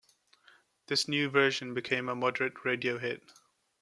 This new version became a moderate radio hit.